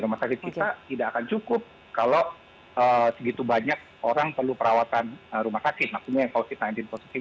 rumah sakit kita tidak akan cukup kalau segitu banyak orang perlu perawatan rumah sakit maksudnya yang covid sembilan belas positif